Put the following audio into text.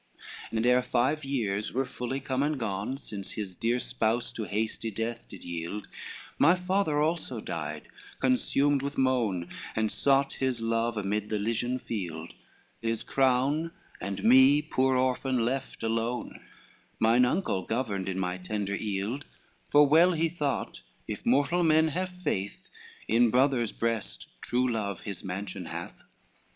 XLIV "And ere five years were fully come and gone Since his dear spouse to hasty death did yield, My father also died, consumed with moan, And sought his love amid the Elysian fields, His crown and me, poor orphan, left alone, Mine uncle governed in my tender eild; For well he thought, if mortal men have faith, In brother's breast true love his mansion hath.